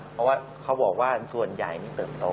เพราะว่าเขาบอกว่าส่วนใหญ่นี่เติบโต